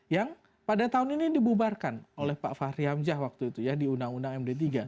yang pada tahun ini dibubarkan oleh pak fahri hamzah waktu itu ya di undang undang md tiga